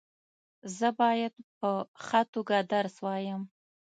زه باید په ښه توګه درس وایم.